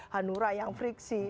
hanura yang friksi